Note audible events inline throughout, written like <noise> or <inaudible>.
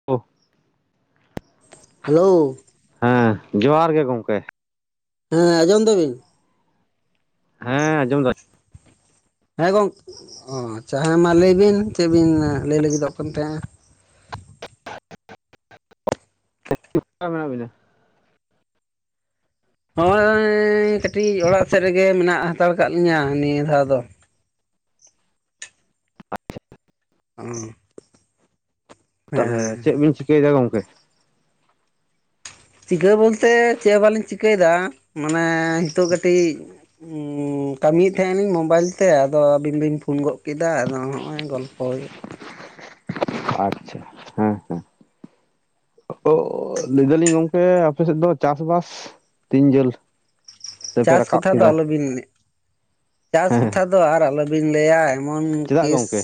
<unintelligible> Hello. ᱦᱮᱸ ᱡᱚᱸᱦᱟᱨ ᱜᱮ ᱜᱚᱝᱠᱮ ᱾ ᱦᱮᱸ ᱟᱸᱡᱚᱢ ᱫᱟᱹᱵᱤᱱ? ᱦᱮᱸ ᱟᱸᱡᱚᱢ ᱫᱟᱹᱧ ᱾ ᱦᱮᱸ ᱜᱚᱝ ᱚ ᱟᱪᱪᱷᱟ ᱦᱮᱸ ᱢᱟ ᱞᱟᱹᱭ ᱵᱤᱱ, ᱪᱮᱫ ᱵᱤᱱ ᱞᱟᱹᱭ ᱞᱟᱹᱜᱤᱫᱚᱜ ᱠᱟᱱ ᱛᱟᱦᱮᱸ-ᱟ? <unintelligible> ᱦᱚᱸᱜᱚᱭ ᱠᱟᱹᱴᱤᱡ ᱚᱲᱟᱜ ᱥᱮᱫ ᱨᱮᱜᱮ ᱢᱮᱱᱟᱜ ᱦᱟᱛᱟᱲ ᱠᱟᱫ ᱞᱤᱧᱟᱹ ᱱᱤᱭᱟᱹ ᱫᱷᱟᱣ ᱫᱚ᱾ <unintelligible> <unintelligible> ᱦᱮᱸ ᱛᱟᱦᱚᱞᱮ ᱪᱮᱫ ᱵᱤᱱ ᱪᱤᱠᱟᱹᱭᱮᱫᱟ ᱜᱚᱝᱠᱮ? ᱪᱤᱠᱟᱹ ᱵᱚᱞᱛᱮ ᱪᱮᱫ ᱵᱞᱤᱧ ᱪᱤᱠᱟᱹᱭᱮᱫᱟ ᱢᱟᱱᱮ ᱦᱤᱛᱚᱜ ᱠᱟᱹᱴᱤᱡ, ᱠᱟᱹᱢᱤᱭᱮᱫ ᱛᱟᱦᱮᱸᱞᱤᱧ ᱢᱳᱵᱟᱭᱤᱞ ᱛᱮ ᱟᱫᱚ ᱟᱹᱵᱤᱱ ᱵᱤᱱ ᱯᱷᱳᱱ ᱜᱚᱫ ᱠᱮᱫᱟ ᱟᱫᱚ ᱦᱚᱸᱜᱼᱚᱭ ᱜᱚᱞᱯᱚ ᱦᱩᱭᱩᱜ ᱟᱪᱪᱷᱟ, ᱦᱮᱸ, ᱦᱮᱸ, ᱚ ᱞᱟᱹᱭ ᱫᱟᱞᱤᱧ ᱜᱚᱝᱠᱮ ᱟᱯᱮᱥᱮᱫ ᱫᱚ ᱪᱟᱥᱵᱟᱥ? ᱛᱤᱱ ᱡᱟᱹᱞ? ᱪᱟᱥ ᱠᱟᱛᱷᱟ ᱫᱚ ᱟᱞᱚᱵᱤᱱ, ᱪᱟᱥ ᱦᱮᱸ ᱠᱚᱛᱷᱟ ᱫᱚ ᱫᱚ ᱟᱨ ᱟᱞᱚᱵᱤᱱ ᱞᱟᱹᱭᱟ ᱮᱢᱚᱱ ᱪᱮᱫᱟᱜ ᱠᱮᱥ ᱜᱚᱢᱠᱮ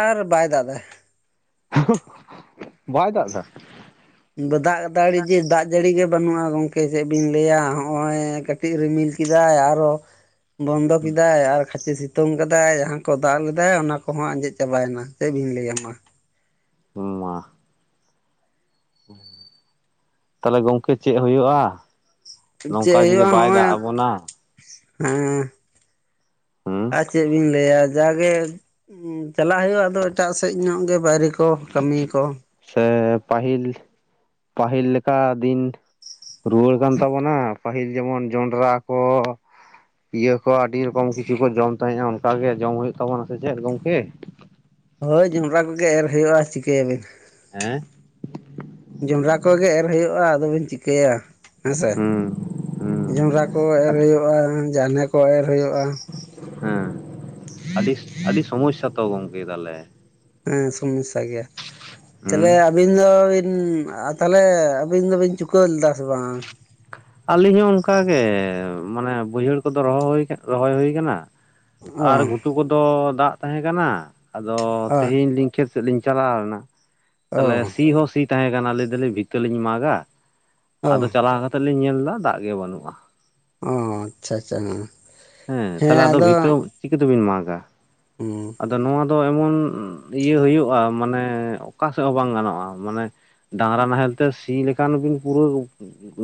ᱟᱨ ᱵᱟᱭ ᱫᱟᱜ ᱫᱟᱭ, ᱵᱟᱭ ᱫᱟᱜ ᱫᱟ, ᱫᱟᱜ ᱫᱟᱲᱤ ᱡᱮ ᱫᱟᱜ ᱡᱟᱹᱲᱤ ᱜᱮ ᱵᱟᱹᱱᱩᱜᱼᱟ ᱜᱚᱝᱠᱮ ᱪᱮᱫ ᱵᱤᱱ ᱞᱟᱹᱭᱟ, ᱦᱚᱜᱼᱚᱭ ᱠᱟᱹᱴᱤᱡ ᱠᱟᱹᱴᱤᱡ ᱨᱤᱢᱤᱞ ᱠᱮᱫᱟᱭ ᱟᱨᱚ <inaudible> ᱵᱚᱱᱫᱚ ᱠᱮᱫᱟᱭ ᱟᱨ ᱠᱷᱟᱪᱮ ᱥᱤ ᱛᱩᱝ ᱠᱟᱫᱟᱭ ᱡᱟᱦᱟᱸ ᱠᱚ ᱫᱟᱜ ᱞᱮᱫᱟᱭ ᱚᱱᱟ ᱠᱚᱦᱚᱸ ᱟᱸᱡᱮᱫ ᱪᱟᱵᱟᱭᱮᱱᱟ, ᱪᱮᱫ ᱵᱤᱱ ᱞᱟᱹᱭᱟ ᱢᱟ? ᱢᱟ, ᱛᱟᱦᱚᱞᱮ ᱜᱚᱝᱠᱮ ᱪᱮᱫ ᱦᱩᱭᱩᱜᱼᱟ? ᱱᱚᱝᱠᱟ ᱪᱮᱫ ᱡᱩᱫᱤ ᱦᱩᱭᱩᱜᱼᱟ ᱵᱟᱭ ᱦᱚᱸᱜᱼᱚᱭ ᱫᱟᱜ ᱟᱵᱚᱱᱟ? ᱦᱮᱸ ᱦᱩᱸ ᱟᱨ ᱪᱮᱫ ᱵᱤᱱ ᱞᱟᱹᱭᱟ ᱡᱟ ᱜᱮ ᱦᱸ ᱪᱟᱞᱟᱜ ᱦᱩᱭᱩᱜᱼᱟ ᱟᱫᱚ ᱮᱴᱟᱜ ᱥᱮᱫ ᱧᱚᱜ ᱜᱮ ᱵᱟᱭᱨᱤ ᱠᱚ ᱠᱟᱹᱢᱤ ᱠᱚ᱾ ᱥᱮ ᱯᱟᱹᱦᱤᱞ, ᱯᱟᱹᱦᱤᱞ ᱞᱮᱠᱟ ᱫᱤᱱ ᱨᱩᱣᱟᱹᱲ ᱠᱟᱱ ᱛᱟᱵᱚᱱᱟ ᱯᱟᱹᱦᱤᱞ ᱡᱮᱢᱚᱱ ᱡᱚᱸᱰᱨᱟ ᱠᱚ, ᱤᱭᱟᱹ ᱠᱚ ᱟᱹᱰᱤ ᱨᱚᱠᱚᱢ ᱠᱤᱪᱷᱩ ᱠᱚ ᱡᱚᱢ ᱛᱟᱦᱮᱸᱼᱟ ᱚᱱᱠ ᱜᱮ ᱡᱚᱢ ᱦᱩᱭᱩᱜ ᱛᱟᱵᱚᱱᱟ ᱥᱮ ᱪᱮᱫ ᱜᱚᱢᱠᱮ? ᱦᱳᱭ ᱡᱚᱸᱰᱨᱟ ᱠᱚᱜᱮ ᱮᱨ ᱦᱩᱭᱩᱜᱼᱟ ᱪᱤᱠᱟᱹᱭᱟᱵᱤᱱ, ᱦᱮᱸ, ᱡᱚᱸᱰᱨᱟ ᱠᱚᱜᱮ ᱮᱨ ᱦᱩᱭᱩᱜᱼᱟ ᱟᱫᱚᱵᱤᱱ ᱪᱤᱠᱟᱹᱭᱟ, ᱦᱮᱸᱥᱮ, ᱦᱩᱸ ᱦᱩᱸ ᱡᱚᱸᱰᱨᱟ ᱠᱚ ᱮᱨ ᱟᱹᱰᱤ ᱦᱩᱭᱩᱜᱼᱟ ᱡᱟᱱᱦᱮ ᱠᱚ ᱮᱨ ᱦᱩᱭᱩᱜᱼᱟ᱾ ᱦᱮᱸ, ᱟᱹᱰᱤ ᱟᱹᱰᱤ ᱥᱚᱢᱚᱥᱥᱟ ᱛᱚ ᱜᱚᱝᱠᱮ ᱛᱟᱦᱚᱞᱮ? ᱦᱮᱸ ᱥᱚᱢᱚᱥᱥᱟ ᱜᱮᱭᱟ, ᱛᱟᱦᱚᱞᱮ ᱦᱩᱸ ᱟᱹᱵᱤᱱ ᱫᱚ ᱵᱤᱱ ᱛᱟᱦᱚᱞᱮ ᱟᱹᱵᱤᱱ ᱫᱚᱵᱤᱱ ᱪᱩᱠᱟᱹᱣ ᱞᱮᱫᱟ ᱥᱮ ᱵᱟᱝ? ᱟᱹᱞᱤᱧ ᱦᱚᱸ ᱚᱱᱠᱟᱜᱮ ᱢᱟᱱᱮ ᱵᱟᱹᱭᱦᱟᱹᱲ ᱠᱚᱫᱚ ᱨᱚᱦᱚᱭ ᱦᱳᱭ ᱨᱚᱦᱚᱭ ᱦᱩᱭ ᱟᱠᱟᱱᱟ᱾ ᱚ ᱟᱨ ᱜᱷᱩᱴᱩ ᱠᱚᱫᱚ ᱫᱟᱜ ᱛᱟᱦᱮᱸ ᱠᱟᱱᱟ ᱟᱫᱚ ᱚ ᱛᱮᱦᱮᱧ ᱞᱤᱧ ᱠᱷᱮᱛ ᱥᱮᱫ ᱞᱤᱧ ᱪᱟᱞᱟᱣᱱᱟ ᱚ ᱛᱟᱦᱞᱮ ᱥᱤ ᱦᱚᱸ ᱥᱤ ᱛᱟᱦᱮᱸ ᱠᱟᱱᱟ ᱞᱟᱹᱭ ᱫᱟᱹᱞᱤᱧ ᱵᱷᱤᱛᱟᱹ ᱞᱤᱧ ᱢᱟᱜᱟ ᱚ ᱟᱫᱚ ᱪᱟᱞᱟᱣ ᱠᱟᱛᱮᱜ ᱞᱤᱧ ᱧᱮᱞ ᱮᱫᱟ ᱫᱟᱜ ᱜᱮ ᱵᱟᱹᱱᱩᱜᱼᱟ᱾ ᱚ, ᱟᱪᱪᱷᱟ, ᱟᱪᱪᱷᱟ, ᱦᱮᱸ, ᱦᱮᱸ, ᱛᱟᱦᱚᱞᱮ ᱟᱫᱚ ᱵᱷᱤᱛᱟᱹ ᱪᱤᱠᱟᱹᱛᱮᱵᱤᱱ ᱢᱟᱜᱟ? ᱦᱩ, ᱟᱫᱚ ᱱᱚᱣᱟ ᱫᱚ ᱮᱢᱚᱱ ᱤᱭᱟᱹ ᱦᱩᱭᱩᱜᱼᱟ ᱢᱟᱱᱮ ᱚᱠᱟ ᱥᱮᱫ ᱦᱚᱸ ᱵᱟᱝ ᱜᱟᱱᱚᱜᱼᱟ ᱢᱟᱱᱮ᱾ ᱰᱟᱝᱨᱟ ᱱᱟᱦᱮᱞ ᱛᱮ ᱥᱤ ᱞᱮᱠᱷᱟᱱ ᱵᱤᱱ ᱯᱩᱨᱟᱹ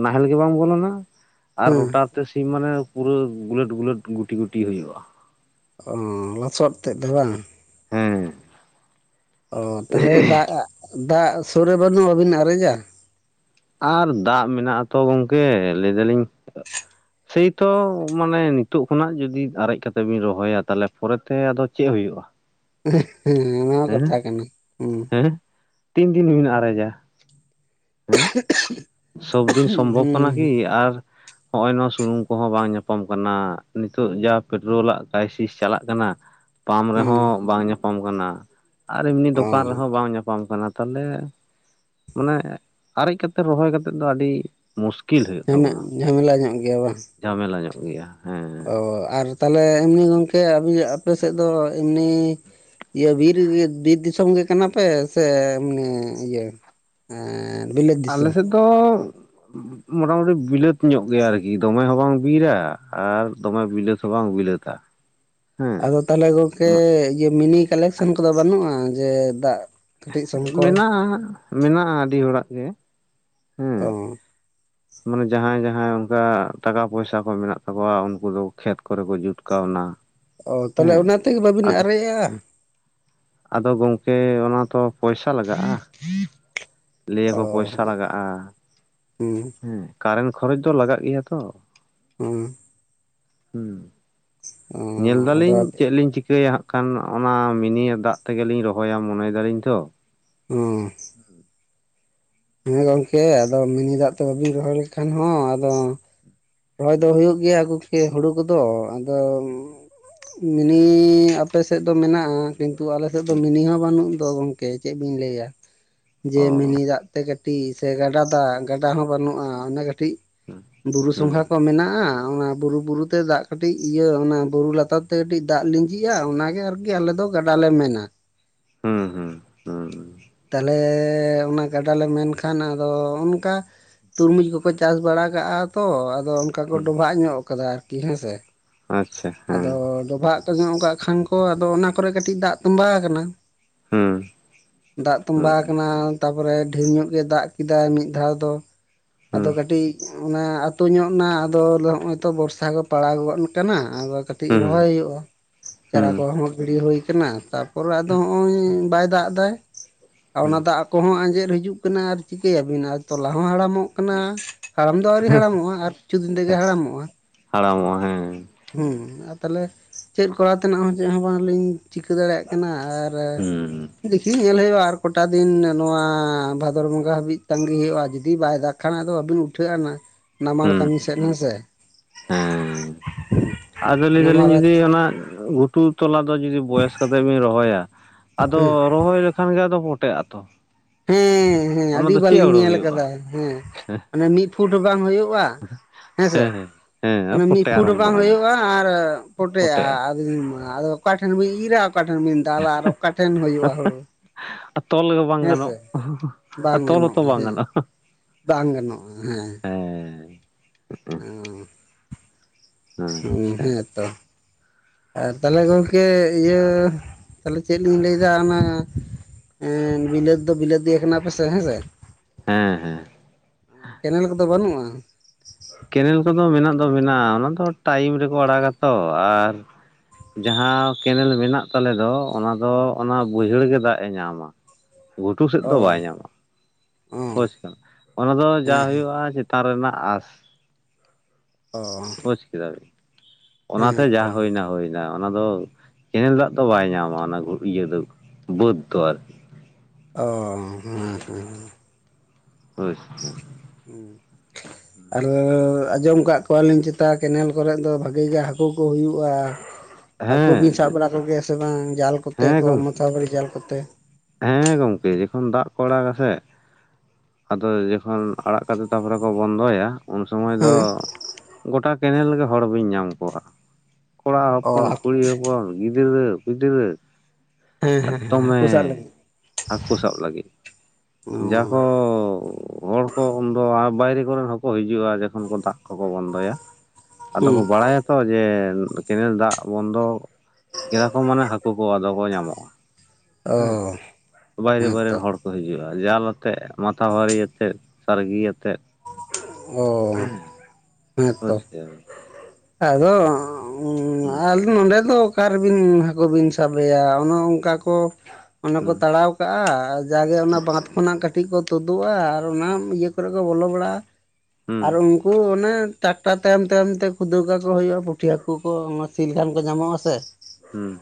ᱱᱟᱦᱮᱞ ᱜᱮ ᱵᱟᱝ ᱵᱚᱞᱚᱱᱟ᱾ ᱟᱨ ᱨᱚᱴᱟᱨ ᱛᱮ ᱥᱤᱢ ᱢᱟᱱᱮ ᱯᱩᱨᱟᱹ ᱜᱩᱞᱟᱹᱴ ᱜᱩᱞᱟᱹᱴ ᱜᱩᱴᱤ ᱜᱩᱴᱤ ᱦᱩᱭᱩᱜᱼᱟ᱾ ᱚ ᱞᱚᱥᱚᱫ ᱛᱮᱫ ᱫᱚ ᱵᱟᱝ? ᱦᱮᱸ, ᱚ ᱛᱟᱦᱚᱞᱮ ᱫᱟᱜ ᱫᱟᱜ ᱥᱩᱨ ᱨᱮ ᱵᱟᱹᱱᱩᱜ ᱵᱟᱹᱵᱤᱱ ᱟᱨᱮᱡᱟ? ᱟᱨ ᱫᱟᱜ ᱢᱮᱱᱟᱜ ᱟᱛᱚ ᱜᱚᱝᱠᱮ ᱞᱟᱹᱭ ᱫᱟᱞᱤᱧ ᱥᱮᱭᱛᱚ ᱢᱟᱱᱮ ᱱᱤᱛᱚᱜ ᱠᱷᱚᱱᱟᱜ ᱡᱩᱫᱤ ᱟᱨᱮᱡ ᱠᱟᱛᱮᱵᱤᱱ ᱨᱚᱦᱚᱭᱟ ᱛᱟᱦᱚᱞᱮ ᱯᱚᱨᱮᱛᱮ ᱟᱫᱚ ᱪᱮᱫ ᱦᱩᱭᱩᱜᱼᱟ? ᱦᱮᱸ, ᱚᱱᱟ ᱦᱚᱸ, ᱦᱮᱸ ᱠᱟᱛᱷᱟ ᱠᱟᱱᱟ ᱦᱮᱸ, ᱦᱮᱸ᱾ ᱛᱤᱱ ᱫᱤᱱ ᱵᱤᱱ ᱟᱨᱮᱡᱟ? <inaudible> ᱥᱚᱵ ᱫᱤᱱ ᱥᱚᱢᱵᱷᱚᱵ ᱦᱩᱸ ᱠᱟᱱᱟᱠᱤ ᱟᱨ ᱦᱚᱸᱜᱼᱚᱭ ᱱᱚᱣᱟ ᱥᱩᱱᱩᱢ ᱠᱚᱦᱚᱸ ᱵᱟᱝ ᱧᱟᱯᱟᱢ ᱠᱟᱱᱟ᱾ ᱱᱤᱛᱚᱜ ᱡᱟ ᱯᱮᱴᱨᱳᱞᱟᱜ ᱠᱨᱟᱭᱥᱤᱥ ᱪᱟᱞᱟᱜ ᱠᱟᱱᱟ᱾ ᱯᱟᱢ ᱦᱩᱸ ᱨᱮᱦᱚᱸ ᱵᱟᱝ ᱧᱟᱯᱟᱢ ᱠᱟᱱᱟ ᱟᱨ ᱮᱢᱱᱤ ᱚ ᱫᱚᱠᱟᱱ ᱨᱮᱦᱚᱸ ᱵᱟᱝ ᱧᱟᱯᱟᱢ ᱠᱟᱱᱟ᱾ ᱛᱟᱦᱚᱞᱮ ᱢᱟᱱᱮ ᱟᱨᱮᱡᱽ ᱠᱟᱛᱮ ᱨᱚᱦᱚᱭ ᱠᱟᱛᱮᱫ ᱫᱚ ᱟᱹᱰᱤ ᱢᱩᱥᱠᱤᱞ ᱦᱩᱭᱩᱜ ᱡᱷᱟᱢᱮ ᱛᱟᱵᱚᱱᱟ, ᱡᱷᱟᱢᱮᱞᱟ ᱧᱚᱜ ᱜᱮᱭᱟ ᱵᱟᱝ ᱡᱷᱟᱢᱮᱞᱟ ᱧᱚᱜ ᱜᱮᱭᱟ ᱦᱮᱸ᱾ ᱚ ᱟᱨ ᱛᱟᱦᱞᱮ ᱮᱢᱱᱤ ᱜᱚᱢᱠᱮ ᱟᱵᱤ ᱟᱯᱮᱭᱟ ᱥᱮᱫ ᱫᱚ ᱮᱢᱱᱤ ᱤᱭᱟᱹ ᱵᱤᱨ ᱜᱮ ᱵᱤᱨ ᱫᱤᱥᱚᱢ ᱜᱮ ᱠᱟᱱᱟ ᱯᱮ ᱥᱮ ᱮᱢᱱᱤ ᱤᱭᱟᱹ ᱮᱸ ᱵᱤᱞᱟᱹᱛ ᱫᱤᱥᱚᱢ? ᱛᱚ ᱢᱚᱴᱟ ᱢᱩᱴᱤ ᱵᱤᱞᱟᱹᱛ ᱧᱚᱜ ᱜᱮᱭᱟ ᱟᱨᱠᱤ᱾ ᱫᱚᱢᱮ ᱦᱚᱸ ᱵᱟᱝ ᱵᱤᱨᱟ ᱟᱨ ᱫᱚᱢᱮ ᱵᱤᱞᱟᱹᱛ ᱦᱚᱸ ᱵᱟᱝ ᱵᱤᱞᱟᱹᱛ-ᱟ᱾ <inaudible> ᱟᱫᱚ ᱛᱟᱦᱚᱞᱮ ᱜᱚᱝᱠᱮ ᱤᱭᱟᱹ ᱢᱤᱱᱤ ᱠᱟᱞᱮᱠᱥᱮᱱ ᱠᱚᱫᱚ ᱵᱟᱹᱱᱩᱜᱼᱟ ᱡᱮ ᱫᱟᱜ ᱠᱟᱹᱴᱤᱡ ᱥᱚᱝᱠᱚᱭ ᱢᱮᱱᱟᱜ-ᱟ᱾ ᱢᱮᱱᱟᱜ-ᱟ ᱟᱹᱰᱤ ᱦᱚᱲᱟᱜ ᱜᱮ᱾ ᱦᱮᱸ ᱚ᱾ ᱢᱟᱱᱮ ᱡᱟᱦᱟᱸᱭ ᱡᱟᱦᱟᱸᱭ ᱚᱱᱠᱟ ᱴᱟᱠᱟ ᱯᱚᱭᱥᱟ ᱠᱚ ᱢᱮᱱᱟᱜ ᱛᱟᱠᱚᱣᱟ ᱩᱱᱠᱩ ᱫᱚ ᱠᱷᱮᱛ ᱠᱚᱨᱮ ᱠᱚ ᱡᱩᱛ ᱠᱟᱣᱱᱟ᱾ ᱚ ᱛᱟᱦᱚᱞᱮ ᱚᱱᱟ ᱦᱮᱸ ᱛᱮᱜᱮ ᱵᱟᱹᱵᱤᱱ ᱟᱫᱚ ᱟᱨᱮᱡᱟᱜ-ᱟ᱾ ᱟᱫᱚ ᱜᱚᱝᱠᱮ ᱚᱱᱟ ᱛᱚ ᱯᱚᱭᱥᱟ ᱞᱟᱜᱟᱜ-ᱟᱺ ᱚ ᱞᱟᱹᱭᱟᱠᱚ ᱯᱚᱭᱥᱟ ᱞᱟᱜᱟᱜ-ᱟ᱾ ᱦᱩᱸ᱾ ᱠᱟᱨᱮᱱᱴ ᱠᱷᱚᱨᱚᱪ ᱫᱚ ᱞᱟᱜᱟᱜ ᱜᱮᱭᱟ ᱛᱚ᱾ ᱦᱩᱸ᱾ ᱦᱩᱸ᱾ ᱚ ᱧᱮᱞ ᱟᱫᱚ ᱫᱟᱞᱤᱧ ᱪᱮᱫ ᱞᱤᱧ ᱪᱤᱠᱟᱹᱭᱟ ᱦᱟᱸᱜ᱾ ᱠᱟᱱ ᱚᱱᱟ ᱢᱤᱱᱤᱭᱮ ᱫᱟᱜ ᱛᱮᱜᱮ ᱞᱤᱧ ᱨᱚᱦᱚᱭᱟ ᱢᱚᱱᱮᱭ ᱫᱟᱞᱤᱧ ᱛᱚ᱾ ᱩᱸ᱾ ᱦᱮᱸ ᱜᱚᱝᱠᱮ ᱟᱫᱚ ᱢᱤᱱᱤ ᱫᱟᱜ ᱛᱮ ᱵᱟᱵᱤᱱ ᱨᱚᱦᱚᱭ ᱞᱮᱠᱷᱟᱱ ᱦᱚᱸ ᱟᱫᱚ ᱨᱚᱦᱚᱭ ᱫᱚ ᱦᱩᱭᱩᱜ ᱜᱮᱭᱟ ᱟᱜᱩ ᱠᱮ ᱦᱩᱲᱩ ᱠᱚᱫᱚ ᱟᱫᱚ ᱢᱤᱱᱤ ᱟᱯᱮᱥᱮᱫ ᱫᱚ ᱢᱮᱱᱟᱜ-ᱟ᱾ ᱠᱤᱱᱛᱩ ᱟᱞᱮ ᱥᱮᱫ ᱫᱚ ᱦᱩᱸ ᱢᱤᱱᱤ ᱦᱚᱸ ᱵᱟᱹᱱᱩᱜ ᱫᱚ ᱜᱚᱝᱠᱮ ᱪᱮᱫ ᱵᱤᱱ ᱞᱟᱹᱭᱟ ᱡᱮ ᱚ ᱢᱤᱱᱤ ᱫᱟᱜ ᱛᱮ ᱠᱟᱹᱴᱤᱡ ᱥᱮ ᱜᱟᱰᱟ ᱫᱟᱜ᱾ ᱜᱟᱰᱟ ᱦᱚᱸ ᱵᱟᱹᱱᱩᱜ-ᱟ ᱚᱱᱮ ᱠᱟᱹᱴᱤᱡ ᱦᱩᱸ ᱵᱩᱨᱩ ᱦᱩᱸ ᱥᱚᱝᱜᱷᱟ ᱠᱚ ᱢᱮᱱᱟᱜ-ᱟ ᱚᱱᱟ ᱵᱩᱨᱩ ᱵᱩᱨᱩ ᱛᱮ ᱫᱟᱜ ᱠᱟᱹᱴᱤᱡ ᱤᱭᱟᱹ ᱚᱱᱟ ᱵᱩᱨᱩ ᱞᱟᱛᱟᱨ ᱛᱮ ᱠᱟᱹᱴᱤᱡ ᱫᱟᱜ ᱞᱤᱸᱡᱤᱜ-ᱟ᱾ ᱚᱱᱟ ᱜᱮ ᱜᱮ ᱟᱨᱠᱤ ᱟᱞᱮᱫᱚ ᱜᱟᱰᱟ ᱞᱮ ᱢᱮᱱᱟ᱾ ᱦᱩᱸ ᱦᱩᱸ ᱦᱩᱸ᱾ ᱛᱟᱦᱞᱮ ᱚᱱᱟ ᱜᱟᱰᱟ ᱞᱮ ᱢᱮᱱᱠᱷᱟᱱ ᱟᱫᱚ ᱚᱱᱠᱟ ᱛᱩᱨᱢᱩᱡᱽ ᱠᱚᱠᱚ ᱪᱟᱥ ᱵᱟᱲᱟ ᱠᱟᱜ-ᱟ ᱛᱚ ᱟᱫ ᱟᱫᱚ ᱚᱱᱠᱟ ᱠᱚ ᱦᱩᱸ ᱰᱚᱵᱷᱟᱜ ᱧᱚᱜ ᱠᱟᱫᱟ ᱟᱨᱠᱤ ᱦᱮᱸᱥᱮ᱾ ᱟᱪᱪᱷᱟ ᱦᱮᱸ ᱟᱫᱚ ᱰᱚᱵᱷᱟᱜ ᱛᱚ ᱧᱚᱜ ᱠᱟᱜ ᱠᱷᱟᱱ ᱠᱚ ᱟᱫᱚ ᱚᱱᱟ ᱠᱚᱨᱮ ᱠᱟᱹᱴᱤᱡ ᱫᱟᱜ ᱛᱚᱸᱵᱟᱣ ᱠᱟᱱᱟ᱾ ᱦᱩᱸ᱾ ᱫᱟᱜ ᱦᱩᱸ ᱛᱚᱸᱵᱟᱣ ᱟᱠᱟᱱᱟ ᱛᱟᱯᱚᱨᱮ ᱰᱷᱮᱨ ᱧᱚᱜ ᱜᱮ ᱫᱟᱜ ᱠᱮᱫᱟᱭ ᱢᱤᱫ ᱫᱷᱟᱣ ᱫᱚ᱾ ᱦᱩᱸ ᱟᱫᱚ ᱠᱟᱹᱴᱤᱡ ᱚᱱᱟ ᱟᱹᱛᱩ ᱧᱚᱜ ᱱᱟ ᱟᱫᱚ ᱞᱟᱹᱭᱫᱟ ᱦᱚᱸᱜ-ᱚᱭ ᱛᱚ ᱵᱚᱨᱥᱟ ᱜᱚᱫ ᱯᱟᱲᱟᱣ ᱜᱚᱫ ᱠᱟᱱᱟ ᱟᱫᱚ ᱠᱟᱹᱴᱤᱡ ᱦᱩᱸ ᱨᱚᱦᱚᱭ ᱦᱩᱭᱩᱜ-ᱟ᱾ ᱪᱟᱨᱟ ᱦᱩᱸ ᱠᱚᱦᱚᱸ ᱜᱤᱲᱤ ᱦᱩᱭ ᱠᱟᱱᱟ ᱛᱟᱯ ᱯᱟᱨᱮ ᱟᱫᱚ ᱦᱚᱸᱜ-ᱚᱭ ᱵᱟᱭ ᱫᱟᱜ ᱫᱟᱭ᱾ ᱟᱨ ᱦᱩᱸ ᱚᱱᱟ ᱫᱟᱜ ᱠᱚᱦᱚᱸ ᱟᱸᱡᱮᱫ ᱦᱤᱡᱩᱜ ᱠᱟᱱᱟ ᱟᱨ ᱪᱤᱠᱟᱹᱭᱟᱵᱤᱱ ᱟᱨ ᱛᱚᱞᱟ ᱦᱚᱸ ᱦᱟᱲᱟᱢᱚᱜ ᱠᱟᱱᱟ᱾ ᱦᱟᱲᱟᱢ ᱫᱚ ᱟᱣᱨᱤ ᱦᱟᱲᱟᱢᱚᱜᱼᱟ᱾ ᱟᱨ ᱠᱤᱪᱷᱩ ᱫᱤᱱ ᱛᱮᱜᱮ ᱦᱟᱲᱟᱢᱚᱜᱼᱟ᱾ ᱦᱟᱲᱟᱢᱚᱜ-ᱟ ᱦᱮᱸ᱾ ᱦᱩᱸ ᱟᱨ ᱛᱟᱦᱚᱞᱮ ᱪᱮᱫ ᱠᱚᱨᱟᱣ ᱛᱮᱱᱟᱜ ᱦᱚᱸ ᱪᱮᱫ ᱦᱚᱸ ᱵᱟᱝᱞᱤᱧ ᱪᱤᱠᱟᱹ ᱫᱟᱲᱮᱭᱟᱜ ᱤᱭᱟᱹ ᱟᱨ ᱦᱩᱸ ᱫᱮᱠᱷᱤ ᱧᱮᱞ ᱦᱩᱭᱩᱜ-ᱟ ᱟᱨ ᱠᱚᱴᱟ ᱫᱤᱱ ᱱᱚᱣᱟ ᱵᱷᱟᱫᱚᱨ ᱵᱚᱸᱜᱟ ᱦᱟᱹᱵᱤᱡ ᱛᱟᱺᱜᱤ ᱦᱩᱭᱩᱜ-ᱟ᱾ ᱡᱩᱫᱤ ᱵᱟᱭ ᱫᱟᱜᱽ ᱠᱷᱟᱱ ᱟᱫᱚ ᱵᱟᱹᱵᱤᱱ ᱩᱴᱷᱟᱹᱜ-ᱟ ᱦᱟᱸᱜ᱾ ᱱᱟᱢᱟᱞ ᱠᱟᱹᱢᱤ ᱥᱮᱫ ᱦᱮᱸ ᱥᱮ᱾ ᱦᱮᱸᱻ ᱟᱫᱚ ᱞᱟᱹᱭ ᱱᱟᱢᱟᱞ ᱫᱟᱞᱤᱧ ᱡᱩᱫᱤ ᱚᱱᱟ ᱜᱩ ᱛᱩᱫᱽ ᱛᱚᱞᱟ ᱫᱚ ᱡᱩᱫᱤ ᱵᱚᱭᱮᱥ ᱠᱟᱛᱮᱜ ᱵᱤᱱ ᱨᱚᱦᱚᱭᱟ, ᱟᱫᱚ ᱦᱮᱸ ᱨᱚᱦᱚᱭ ᱞᱮᱠᱷᱟᱱ ᱜᱮ ᱟᱫᱚ ᱯᱚᱴᱮᱜ-ᱟ ᱛᱚ᱾ ᱦᱮᱸ ᱦᱮᱸ ᱚᱱᱟ ᱟᱹᱰᱤ ᱫᱚ ᱵᱟᱨ ᱪᱮᱫ ᱞᱤᱧ ᱦᱩᱲᱩ ᱧᱮᱞ ᱦᱩᱭᱩᱜᱼᱟ ᱟᱠᱟᱫᱟ ᱦᱮᱸ ᱢᱟᱱᱮ ᱢᱤᱫ ᱯᱷᱩᱴ ᱦᱚᱸ ᱵᱟᱝ ᱦᱩᱭᱩᱜ-ᱟ᱾ ᱦᱮᱸ ᱥᱮ᱾ ᱦᱮᱸ ᱚᱱᱮ ᱢᱤᱜ ᱯᱚᱴᱮ ᱯᱷᱩᱴ ᱦᱚᱸ ᱵᱟᱝ ᱟᱨᱟᱢᱵᱷᱚᱜᱼᱟ ᱦᱩᱭᱩᱜ-ᱟ ᱟᱨ ᱯᱚᱴᱮᱜ-ᱟ, ᱯᱚᱴᱮᱜᱼᱟ ᱟᱫᱚᱧ ᱟᱫᱚ ᱚᱠᱟᱴᱷᱮᱱ ᱵᱤᱱ ᱤᱨᱟ, ᱚᱠᱟᱴᱷᱮᱱ ᱵᱤᱱ ᱫᱟᱞᱟ ᱟᱨ ᱚᱠᱟᱴᱷᱮᱱ ᱦᱩᱭᱩᱜ-ᱟ ᱦᱩᱲᱩ? ᱟᱨ ᱛᱚᱞ ᱜᱮ ᱵᱟᱝ ᱦᱮᱸᱥᱮ ᱜᱟᱱᱚᱜ, ᱟᱨ ᱛᱚᱞ ᱦᱚᱸᱛᱚ ᱵᱟᱝ ᱜᱟᱱᱚᱜ-ᱟ᱾ ᱵᱟᱝ ᱜᱟᱱᱚᱜᱼᱟ ᱦᱮᱸ ᱦᱮᱸ ᱚ, ᱦᱮᱸ ᱟᱪᱪᱷᱟ ᱦᱮᱸᱛᱚ᱾ ᱟᱨ ᱛᱟᱞᱦᱮ ᱜᱚᱝᱠᱮ ᱤᱭᱟᱹ ᱛᱟᱞᱦᱮ ᱪᱮᱫ ᱞᱤᱧ ᱞᱟᱹᱭᱫᱟ ᱚᱱᱟ ᱮᱸᱻ ᱵᱤᱞᱟᱹᱛ ᱫᱚ ᱵᱤᱞᱟᱹᱛᱤᱭᱟ ᱠᱟᱱᱟᱯᱮᱥᱮ ᱦᱮᱸ ᱥᱮ᱾ ᱦᱮᱸ ᱦᱮᱸ ᱠᱮᱱᱮᱞ ᱠᱚᱫᱚ ᱵᱟᱹᱱᱩᱜ-ᱟ? ᱠᱮᱱᱮᱞ ᱠᱚᱫᱚ ᱢᱮᱱᱟᱜ ᱫᱚ ᱢᱮᱱᱟᱜ-ᱟ ᱚᱱᱟ ᱫᱚ ᱴᱟᱭᱤᱢ ᱨᱮᱠᱚ ᱟᱲᱟᱜᱟ ᱛᱚ, ᱟᱨ ᱡᱟᱦᱟ ᱠᱮᱱᱮᱞ ᱢᱮᱱᱟᱜ ᱛᱟᱞᱮ ᱫᱚ ᱚᱱᱟ ᱫᱚ ᱚᱱᱟ ᱵᱟᱹᱭᱦᱟᱹᱲ ᱜᱮ ᱫᱟᱜ-ᱮ ᱧᱟᱢᱟ᱾ ᱜᱷᱩᱴᱩ ᱥᱮᱫ ᱚ ᱫᱚ ᱵᱟᱭ ᱧᱟᱢᱟ᱾ ᱚ ᱠᱷᱳᱡᱽ ᱠᱟᱱᱟ, ᱚᱱᱟ ᱫᱚ ᱡᱟ ᱦᱮᱸ ᱦᱮᱸ ᱦᱩᱭᱩᱜ-ᱟ ᱪᱮᱛᱟᱱ ᱨᱮᱱᱟᱜ ᱟᱥ ᱚᱻ ᱵᱩᱡᱽ ᱠᱮᱫᱟᱵᱤᱱ ᱚᱱᱟᱛᱮ ᱡᱟ ᱦᱩᱭᱱᱟ ᱦᱩᱭ ᱱᱟ, ᱚᱱᱟ ᱫᱚ ᱠᱮᱱᱮᱞ ᱫᱟᱜ ᱛᱚ ᱵᱟᱭ ᱧᱟᱢᱟ ᱚᱱᱟ ᱤᱭᱟᱹ ᱫᱚ ᱵᱟᱹᱫᱽ ᱫᱚ ᱟᱨ ᱚ, ᱦᱩᱸ ᱦᱩᱸ᱾ ᱟᱪᱪᱷᱟ᱾ ᱦᱩᱸ᱾ ᱦᱩᱸ᱾ ᱟᱨ ᱟᱸᱡᱚᱢ ᱠᱟᱜ ᱠᱚᱣᱟᱞᱤᱧ ᱪᱮᱛᱟ ᱠᱮᱱᱮᱞ ᱠᱚᱨᱮᱫ ᱫᱚ ᱵᱷᱟᱹᱜᱤ ᱜᱮ ᱦᱟᱹᱠᱩ ᱠᱚ ᱦᱩᱭᱩᱜ-ᱟ᱾ ᱦᱟᱹᱠᱩ ᱵᱤᱱ ᱥᱟᱵ ᱦᱮᱸ ᱵᱟᱲᱟ ᱠᱚᱜᱮᱭᱟ ᱥᱮ ᱵᱟᱝ ᱡᱟᱞ ᱠᱚᱛᱮ ᱦᱮᱸ ᱠᱚ ᱜᱚᱢᱠᱮ ᱢᱟᱛᱷᱟ ᱵᱟᱨᱤ ᱡᱟᱞ ᱠᱚᱛᱮ? ᱦᱮᱸ ᱜᱚᱝᱠᱮ ᱡᱚᱠᱷᱚᱱ ᱫᱟᱜ ᱠᱚ ᱟᱲᱟᱜᱟ ᱥᱮ ᱟᱫᱚ ᱡᱚᱠᱷᱚᱱ ᱟᱲᱟᱜ ᱠᱟᱛᱮ ᱛᱟᱯᱚᱨᱮ ᱠᱚ ᱵᱚᱱᱫᱚᱭᱟ᱾ ᱩᱱ ᱥᱚᱢᱚᱭ ᱫᱚ ᱦᱮᱸ ᱜᱚᱴᱟ ᱠᱮᱱᱮᱞ ᱜᱮ ᱦᱚᱲ ᱵᱤᱱ ᱧᱟᱢ ᱠᱚᱣᱟ᱾ ᱠᱚᱲᱟ ᱚ ᱦᱚᱯᱚᱱ, ᱠᱩᱲᱤ ᱦᱚᱯᱚᱱ, ᱜᱤᱫᱽᱨᱟᱹ ᱯᱤᱫᱽᱨᱟᱹ, ᱦᱮᱸ ᱦᱮᱸ ᱫᱚᱢᱮ ᱦᱟᱹᱠᱩ ᱥᱟᱵ ᱞᱟᱹᱜᱤᱫ ᱦᱟᱹᱠᱩ ᱥᱟᱵ ᱞᱟᱹᱜᱤᱫ ᱡᱟ ᱠᱚ <unintelligible> ᱦᱚᱲ ᱠᱚ ᱩᱱᱫᱚ ᱟᱨ ᱵᱟᱭᱨᱮ ᱠᱚᱨᱮᱱ ᱦᱚᱸᱠᱚ ᱦᱤᱡᱩᱜ-ᱟ ᱡᱚᱠᱷᱚᱱ ᱠᱚ ᱫᱟᱜ ᱠᱚᱠᱚ ᱵᱚᱱᱫᱚᱭᱟ᱾ ᱟᱫᱚ ᱠᱚ ᱦᱩᱸ ᱵᱟᱲᱟᱭᱟ ᱚᱝᱠᱟᱜᱮ ᱠᱮᱱᱮᱞ ᱫᱟᱜ ᱵᱚᱱᱫᱚ ᱠᱮᱫᱟ ᱠᱚ ᱢᱟᱱᱮ ᱦᱟᱹᱠᱩ ᱠᱚ ᱟᱫᱚ ᱠᱚ ᱧᱟᱢᱚᱜ-ᱟ᱾ ᱦᱩᱸ, ᱚ ᱵᱟᱭᱨᱮ ᱵᱟᱭᱨᱮ ᱨᱮᱱ ᱦᱮᱸᱛᱚ ᱦᱚᱲ ᱠᱚ ᱦᱤᱡᱩᱜ-ᱟ ᱡᱟᱞ ᱟᱛᱮᱫ ᱢᱟᱛᱷᱟ ᱵᱷᱟᱹᱨᱤ ᱟᱛᱮᱫ ᱥᱟᱹᱨᱜᱤᱭᱟᱛᱮᱫ᱾ ᱚ, ᱦᱮᱸ ᱵᱩᱡᱽ ᱛᱚ᱾ ᱠᱮᱫᱟ ᱵᱤᱱ ᱟᱫᱚ, ᱩᱸᱻ ᱦᱩᱸ ᱟᱞ ᱱᱚᱸᱰᱮ ᱫᱚ ᱚᱠᱟᱨᱮ ᱵᱤᱱ ᱦᱟᱹᱠᱩ ᱵᱤᱱ ᱥᱟᱵᱮᱭᱟ ᱚᱱᱮ ᱚᱱᱠᱟ ᱠᱚ ᱚᱱᱮ ᱠᱚ ᱦᱩᱸ ᱛᱟᱲᱟᱣ ᱠᱟᱜ-ᱟ ᱟᱨ ᱡᱟᱜᱮ ᱚᱱᱟ ᱦᱩᱸ ᱵᱟᱸᱫᱽ ᱠᱷᱚᱱᱟᱜ ᱠᱟᱹᱴᱤᱡ ᱠᱚ ᱛᱩᱫᱩᱜᱼᱟ ᱟᱨ ᱚᱱᱟ ᱤᱭᱟᱹ ᱠᱚᱨᱮ ᱠᱚ ᱵᱚᱞᱚ ᱵᱟᱲᱟᱜᱼᱟ᱾ ᱦᱩᱸ ᱟᱨ ᱩᱱ ᱠᱩ ᱚᱱᱮ ᱴᱨᱟᱠᱴᱟᱨ ᱛᱟᱭᱚᱢ ᱛᱟᱭᱚᱢᱛᱮ ᱠᱩᱫᱟᱹᱣ ᱠᱟᱠᱚ ᱦᱩᱭᱩᱜᱼᱟ ᱯᱩᱴᱷᱤ ᱦᱟᱹᱠᱩ ᱠᱚ ᱚᱱᱟ ᱥᱤ ᱞᱮᱠᱷᱟᱱ ᱠᱚ ᱧᱟᱢᱚᱜᱼᱟ ᱥᱮ᱾ ᱦᱩᱸ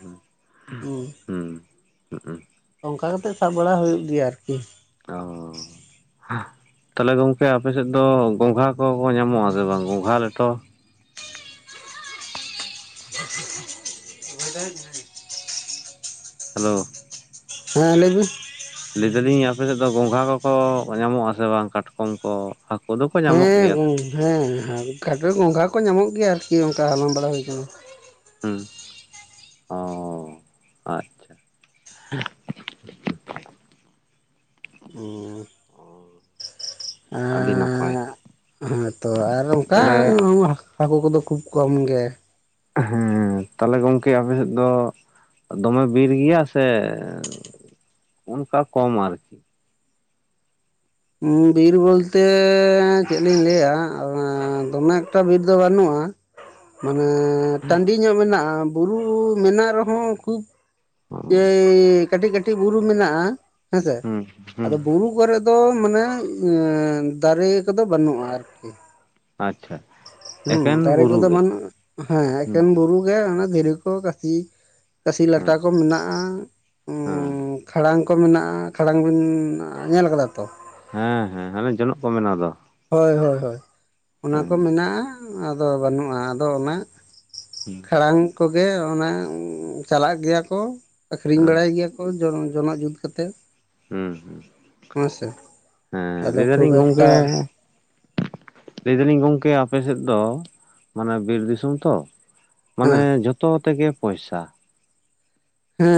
ᱦᱩᱸ ᱦᱩᱸ ᱦᱩᱸ ᱦᱩᱸ ᱚᱱᱠᱟ ᱠᱟᱛᱮᱜ ᱥᱟᱵ ᱵᱟᱲᱟ ᱦᱩᱭᱩᱜ ᱜᱮᱭᱟ ᱟᱨᱠᱤ᱾ ᱚᱻ ᱛᱟᱦᱚᱞᱮ ᱜᱚᱝᱠᱮ ᱟᱯᱮᱥᱮᱫ ᱫᱚ ᱜᱚᱝᱜᱷᱟ ᱠᱚᱠᱚ ᱧᱟᱢᱚᱜ ᱟ ᱥᱮ ᱵᱟᱝ? ᱜᱚᱝᱜᱷᱟ ᱞᱮᱴᱚ᱾ <unintelligible> ᱦᱮᱞᱳ ᱦᱮᱸ ᱞᱟᱹᱭ ᱵᱤᱱ᱾ ᱞᱟᱹᱭ ᱫᱟᱞᱤᱧ ᱟᱯᱮᱥᱮᱫ ᱫᱚ ᱜᱚᱝᱜᱷᱟ ᱠᱚᱠᱚ ᱧᱟᱢᱚᱜ ᱟᱥᱮ ᱵᱟᱝ ᱠᱟᱴᱠᱚᱢ ᱠᱚ? ᱦᱟᱠᱩ ᱫᱚ <unintelligible> ᱦᱮᱸ ᱦᱮᱸ ᱜᱚᱝᱜᱷᱟ ᱠᱚ ᱧᱟᱢᱚᱜ ᱜᱮᱭᱟ ᱟᱨᱠᱤ ᱚᱱᱠᱟ ᱦᱟᱞᱟᱝ ᱵᱟᱲᱟ ᱦᱩᱭ ᱠᱟᱱᱟ᱾ ᱦᱩᱸ ᱚ ᱟᱪᱷᱟ ᱾ <inaudible> ᱟᱹᱰᱤ ᱱᱟᱯᱟᱭ <inaudible> ᱦᱮᱸᱻ ᱛᱚ ᱟᱨ ᱚᱱᱠᱟ ᱛᱟᱦᱞᱮ ᱦᱟᱹᱠᱩ ᱠᱚᱫᱚ ᱠᱷᱩᱵ ᱠᱚᱢ ᱜᱮ᱾ ᱦᱮᱸ, ᱛᱟᱦᱞᱮ ᱜᱚᱝᱠᱮ ᱟᱯᱮ ᱥᱮᱫ ᱫᱚ ᱫᱚᱢᱮ ᱵᱤᱨ ᱜᱮᱭᱟ ᱥᱮ ᱚᱱᱠᱟ ᱠᱚᱢ ᱟᱨᱠᱤ? ᱵᱤᱨ ᱵᱚᱞᱛᱮ ᱪᱮᱫ ᱞᱤᱧ ᱞᱟᱹᱭᱟ ᱫᱚᱢᱮ ᱮᱠᱴᱟ ᱵᱤᱨ ᱫᱚ ᱵᱟᱹᱱᱩᱜᱼᱟ᱾ ᱢᱟᱱᱮ ᱴᱟᱺᱰᱤ ᱧᱚᱜ ᱢᱮᱱᱟᱜᱼᱟ ᱵᱩᱨᱩ ᱢᱮᱱᱟᱜ ᱨᱮᱦᱚᱸ ᱠᱷᱩᱵ᱾ ᱚ ᱮᱭ ᱠᱟᱹᱴᱤᱡ-ᱠᱟᱹᱴᱤᱡ ᱵᱩᱨᱩ ᱢᱮᱱᱟᱜᱼᱟ᱾ ᱦᱮᱸᱥᱮ ᱦᱩᱸ ᱦᱩᱸ ᱟᱫᱚ ᱵᱩᱨᱩ ᱠᱚᱨᱮ ᱫᱚ ᱢᱟᱱᱮ ᱫᱟᱨᱮ ᱠᱚᱫᱚ ᱵᱟᱹᱱᱩᱜᱼᱟ ᱟᱨᱠᱤ᱾ ᱟᱪᱪᱷᱟ ᱦᱩᱸ ᱮᱠᱮᱱ ᱫᱟᱨᱮ ᱵᱩᱨᱩ ᱠᱚᱫᱚ ᱜᱮ ᱵᱟᱹᱱᱩᱜᱼᱟ᱾ ᱦᱮᱸ ᱦᱩᱸ ᱮᱠᱮᱱ ᱵᱩᱨᱩ ᱜᱮ ᱚᱱᱟ ᱫᱷᱤᱨᱤ ᱠᱚ ᱠᱟᱹᱥᱤ ᱠᱟᱹᱥᱤ ᱦᱮᱸ ᱞᱟᱴᱟ ᱠᱚ ᱢᱮᱱᱟᱜᱼᱟ᱾ ᱦᱮᱸ ᱠᱷᱟᱲᱟᱝ ᱠᱚ ᱢᱮᱱᱟᱜᱼᱟ, ᱠᱷᱟᱲᱟᱝ ᱵᱤᱱ ᱧᱮᱞ ᱠᱟᱫᱟ ᱛᱚ? ᱦᱮᱸ ᱦᱮᱸ ᱦᱟᱱᱮ ᱡᱚᱱᱚᱜ ᱠᱚ ᱵᱮᱱᱟᱣ ᱫᱚ᱾ ᱦᱳᱭ ᱦᱳᱭ ᱦᱳᱭ ᱚᱱᱟ ᱠᱚ ᱦᱮᱸ ᱢᱮᱱᱟᱜᱼᱟ ᱟᱫᱚ ᱵᱟᱹᱱᱩᱜᱼᱟ᱾ ᱟᱫᱚ ᱚᱱᱟ ᱠᱷᱟᱲᱟᱝ ᱠᱚᱜᱮ ᱚᱱᱟ ᱪᱟᱞᱟᱜ ᱜᱮᱭᱟ ᱠᱚ ᱟᱠᱷᱨᱤᱧ ᱦᱮᱸ ᱵᱟᱲᱟᱭ ᱜᱮᱭᱟ ᱠᱚ᱾ ᱡᱚᱝ ᱡᱚᱱᱚᱜ ᱡᱩᱛ ᱠᱟᱛᱮ᱾ ᱦᱩᱸ ᱦᱩᱸ ᱦᱮᱸᱻ ᱟᱫᱚ ᱞᱟᱹᱭ ᱠᱷᱩᱵ ᱫᱟᱞᱤᱧ ᱮᱠᱴᱟ ᱜᱚᱢᱠᱮ᱾ ᱞᱟᱹᱭ ᱫᱟᱹᱞᱤᱧ ᱜᱚᱝᱠᱮ ᱟᱯᱮᱥᱮᱫ ᱫᱚ ᱢᱟᱱᱮ ᱵᱤᱨ ᱫᱤᱥᱚᱢ ᱛᱚ, ᱢᱟᱱᱮ ᱦᱮᱸ ᱡᱷᱚᱛᱚ ᱛᱮᱜᱮ ᱯᱚᱭᱥᱟ᱾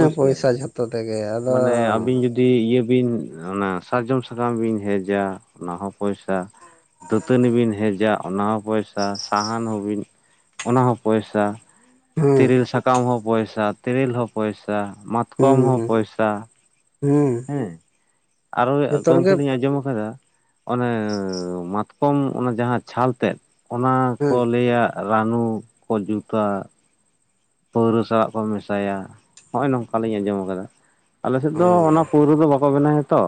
ᱵᱩᱡᱽ ᱠᱮᱫᱟ ᱯᱚᱭᱥᱟ ᱵᱤᱱ ᱡᱷᱚᱛᱚ ᱛᱮᱜᱮ᱾ ᱟᱫᱚ ᱢᱟᱱᱮ ᱟᱵᱤᱱ ᱡᱩᱫᱤ ᱫᱤ ᱤᱭᱟᱹ ᱵᱤᱱ ᱚᱱᱟ ᱥᱟᱨᱡᱚᱢ ᱥᱟᱠᱟᱢ ᱵᱤᱱ ᱦᱮᱡᱼᱟ, ᱚᱱᱟ ᱦᱚᱸ ᱯᱚᱭᱥᱟ᱾ ᱫᱟᱹᱛᱟᱹᱱᱤ ᱵᱤᱱ ᱦᱮᱡᱟ ᱚᱱᱟ ᱦᱚᱸ ᱯᱚᱭᱥᱟ᱾ ᱥᱟᱦᱟᱱ ᱦᱚᱸᱵᱤᱱ ᱚᱱᱟ ᱦᱚᱸ ᱯᱚᱭᱥᱟ᱾ ᱦᱮᱸ ᱛᱮᱨᱮᱞ ᱥᱟᱠᱟᱢ ᱦᱚᱸ ᱯᱚᱭᱥᱟ, ᱛᱮᱨᱮᱞ ᱦᱚᱸ ᱯᱚᱭᱥᱟ, ᱢᱟᱛᱠᱚᱢ ᱦᱚᱸ ᱯᱚᱭᱥᱟ᱾ ᱦᱩᱸᱻ ᱟᱨᱦᱚᱸ ᱜᱚᱢᱠᱮ ᱞᱤᱧ ᱟᱸᱡᱚᱢ ᱠᱟᱫᱟ, ᱚᱱᱮ ᱢᱟᱛᱠᱚᱢ ᱚᱱᱟ ᱡᱟᱦᱟᱸ ᱪᱷᱟᱞ ᱛᱮᱫ, ᱚᱱᱟ ᱠᱚ ᱦᱮᱸ ᱞᱟᱹᱭᱟ ᱨᱟᱱᱩ ᱠᱚ ᱡᱩᱛᱟᱹ, ᱯᱟᱹᱣᱨᱟᱹ ᱥᱟᱞᱟᱜ ᱠᱚ ᱢᱮᱥᱟᱭᱟ ᱱᱚᱜᱼᱚᱭ ᱱᱚᱝᱠᱟ ᱞᱤᱧ ᱟᱸᱡᱚᱢ ᱠᱟᱫᱟ᱾ ᱟᱞᱮᱥᱮᱫ ᱫᱚ ᱚ ᱚᱱᱟ ᱯᱳᱣᱨᱟᱹ ᱫᱚ ᱵᱟᱠᱚ ᱵᱮᱱᱟᱣᱼᱟ ᱛᱚ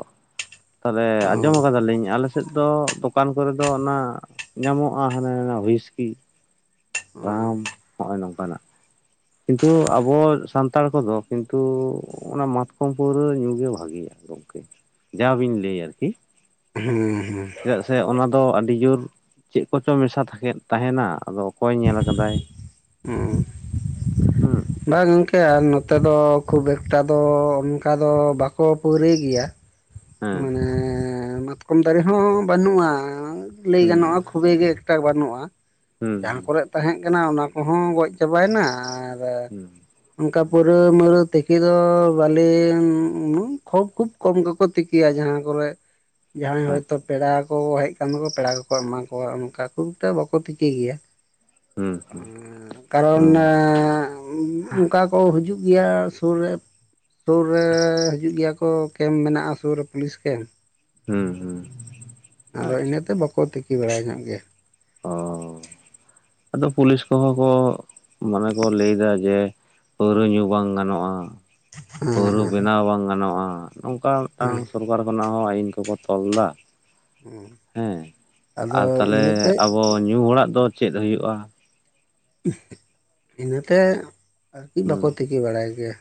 ᱛᱟᱦᱚᱞᱮ ᱚ ᱟᱸᱡᱚᱢ ᱟᱠᱟᱫᱟᱞᱤᱧ᱾ ᱟᱞᱮ ᱥᱮᱫ ᱫᱚ ᱫᱚᱠᱟᱱ ᱠᱚᱨᱮ ᱫᱚ ᱚᱱᱟ ᱧᱟᱢᱚᱜᱼᱟ ᱦᱟᱱᱮ ᱩᱭᱤᱥᱠᱤ ᱨᱟᱢ ᱦᱩᱸ ᱦᱚᱸᱜᱼᱚᱭ ᱱᱚᱝᱠᱟᱱᱟᱜ᱾ ᱠᱤᱱᱛᱩ ᱟᱵᱚ ᱥᱟᱱᱛᱟᱲ ᱠᱚᱫᱚ ᱠᱤᱱᱛᱩ ᱦᱚᱸᱜ-ᱚ ᱱᱟ ᱢᱟᱛᱠᱚᱢ ᱯᱟᱹᱣᱨᱟᱹ ᱧᱩ ᱜᱮ ᱵᱷᱟᱹᱜᱮᱭᱟ ᱜᱚᱝᱠᱮ, ᱡᱟ ᱵᱤᱱ ᱞᱟᱹᱭ ᱟᱨᱠᱤ᱾ ᱦᱩᱸ ᱦᱩᱸ᱾ ᱪᱮᱫᱟᱜ ᱥᱮ ᱚᱱᱟ ᱫᱚ ᱟᱹᱰᱤ ᱡᱳᱨ ᱪᱮᱫ ᱠᱚᱪᱚ ᱢᱮᱥᱟ ᱛᱷᱟᱠᱮ ᱛᱟᱦᱮᱱᱟ ᱟᱫᱚ ᱚᱠᱚᱭ ᱧᱮᱞ ᱠᱟᱫᱟᱭ᱾ <inaudible> ᱦᱩᱸ᱾ ᱵᱟ ᱜᱚᱝᱠᱮ ᱟᱨ ᱱᱚᱛᱮ ᱫᱚ ᱠᱷᱩᱵᱽ ᱮᱠᱴᱟ ᱫᱚ ᱚᱱᱠᱟ ᱫᱚ ᱵᱟᱠᱚ ᱯᱟᱹᱣᱨᱟᱹᱭ ᱜᱮᱭᱟ᱾ ᱦᱮᱸ ᱢᱟᱱᱮ ᱢᱟᱛᱠᱚᱢ ᱫᱟᱨᱮ ᱦᱚᱸ ᱵᱟᱹᱱᱩᱜᱼᱟ ᱞᱮᱭ ᱦᱩᱸ ᱜᱟᱱᱚᱜᱼᱟ ᱠᱷᱩᱵᱮ ᱜᱮ ᱴᱟᱠ ᱵᱟᱹᱱᱩᱜᱼᱟ ᱦᱩᱸ ᱡᱟᱦᱟᱸ ᱠᱚᱨᱮᱜ ᱛᱟᱦᱮᱸᱜ ᱠᱟᱱᱟ ᱚᱱᱟ ᱠᱚᱦᱚᱸ ᱜᱚᱡ ᱪᱟᱵᱟᱭᱮᱱᱟ ᱟᱨ ᱦᱩᱸ <inaudible> ᱚᱱᱠᱟ ᱦᱩᱸ ᱯᱟᱹᱣᱨᱟᱹ <inaudible> ᱛᱮᱞᱮ ᱫᱚ ᱵᱟᱞᱮ ᱩᱱᱟᱹᱜ ᱠᱷᱩᱵ ᱠᱚᱢ ᱜᱮᱠᱚ ᱛᱤ ᱠᱤᱭᱟ ᱡᱟᱦᱟᱸ ᱠᱚᱨᱮᱜ ᱡᱟᱦᱟᱸᱭ ᱦᱚᱭᱛᱚ ᱟᱪᱪᱷᱟ ᱯᱮᱲᱟ ᱠᱚ ᱦᱮᱡ <inaudible> ᱯᱮᱲᱟ ᱠᱚᱠᱚ ᱮᱢᱟ ᱠᱚᱣᱟ ᱚᱱᱠᱟ ᱠᱷᱩᱵ ᱮᱠᱴᱟ ᱵᱟᱠᱚ ᱛᱤᱠᱤ ᱜᱮᱭᱟ᱾ ᱦᱩᱸ ᱦᱩᱸ᱾ ᱠᱟᱨᱚᱱ ᱦᱩᱸ ᱮᱸ ᱚᱱᱠᱟ ᱠᱚ ᱦᱤᱡᱩᱜ ᱜᱮᱭᱟ ᱥᱳᱨ ᱨᱮ ᱥᱩᱨ ᱨᱮ ᱦᱤᱡᱩᱜ ᱜᱮᱭᱟ ᱠᱚ ᱠᱮᱢᱯ ᱢᱮᱱᱟᱜᱼᱟ ᱥᱩᱨ ᱨᱮ ᱯᱩᱞᱤᱥ ᱠᱮᱢᱯ᱾ ᱦᱩᱸ ᱦᱩᱸ᱾ ᱟᱫᱚ ᱟᱪᱪᱷᱟ ᱤᱱᱟᱹᱛᱮ ᱵᱟᱠᱚ ᱛᱤᱠᱤ ᱵᱟᱲᱟᱭ ᱧᱚᱜ ᱜᱮᱭᱟ᱾ ᱚ ᱟᱫᱚ ᱯᱩᱞᱤᱥ ᱠᱚᱦᱚᱸ ᱠᱚ ᱢᱟᱱᱮ ᱠᱚ ᱞᱟᱹᱭᱫᱟ ᱡᱮ ᱯᱟᱹᱣᱨᱟᱹ ᱧᱩ ᱵᱟᱝ ᱜᱟᱱᱚᱜ-ᱟ᱾ ᱦᱮᱸ ᱯᱟᱹᱣᱨᱟᱹ ᱦᱮᱸ ᱵᱮᱱᱟᱣ ᱵᱟᱝ ᱜᱟᱱᱚᱜ-ᱟ, ᱱᱚᱝᱠᱟ ᱢᱤᱫᱴᱟᱝ ᱦᱮᱸ ᱥᱚᱨᱠᱟᱨ ᱠᱷᱚᱱᱟᱜ ᱦᱚᱸ ᱟᱹᱭᱤᱱ ᱠᱚᱠᱚ ᱛᱚᱞ ᱫᱟ᱾ ᱦᱮᱸ ᱟᱫᱚ ᱟᱨ ᱛᱟᱞᱦᱮ ᱤᱱᱟᱹᱛᱮ ᱟᱵᱚ ᱧᱩ ᱦᱚᱲᱟᱜ ᱫᱚ ᱪᱮᱫ ᱦᱩᱭᱩᱜ-ᱟ? ᱤᱱᱟᱹᱛᱮ ᱟᱨᱠᱤ ᱦᱩᱸ ᱵᱟᱠᱚ ᱛᱤᱠᱤ ᱵᱟᱲᱟᱭ ᱜᱮᱭᱟ᱾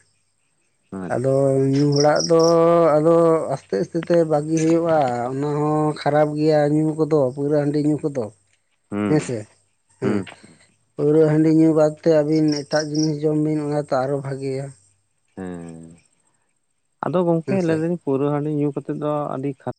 ᱟᱫᱚ ᱟᱪᱪᱷᱟ ᱧᱩ ᱦᱚᱲᱟᱜ ᱫᱚ ᱟᱫᱚ ᱟᱥᱛᱮ ᱟᱥᱛᱮ ᱛᱮ ᱵᱟᱜᱤ ᱦᱩᱭᱩᱜ-ᱟ ᱚᱱᱟ ᱦᱚᱸ ᱠᱷᱟᱨᱟᱯ ᱜᱮᱭᱟ ᱧᱩ ᱠᱚᱫᱚ ᱯᱟᱹᱣᱨᱟᱹ ᱦᱟᱺᱰᱤ ᱧᱩ ᱠᱚᱫᱚ᱾ ᱦᱮᱸ ᱦᱩᱸ, ᱥᱮ ᱦᱮᱸ ᱦᱩᱸ ᱦᱩᱸ᱾ ᱯᱟᱹᱣᱨᱟᱹ ᱦᱟᱺᱰᱤ ᱧᱩ ᱵᱟᱫᱛᱮ ᱟᱹᱵᱤᱱ ᱮᱴᱟᱜ ᱡᱤᱱᱤᱥ ᱡᱚᱢ ᱵᱤᱱ ᱚᱱᱟ ᱛᱚ ᱟᱨᱚ ᱵᱷᱟᱜᱮᱭᱟ᱾ ᱦᱮᱸ, ᱟᱫᱚ ᱜᱚᱝᱠᱮ ᱦᱮᱸ ᱞᱮᱭ ᱥᱮ ᱫᱟᱞᱤᱧ ᱯᱟᱹᱣᱨᱟᱹ ᱦᱟᱺᱰᱤ ᱧᱩ ᱠᱟᱛᱮᱫ ᱫᱚ ᱟᱹᱰᱤ ᱠᱷᱟ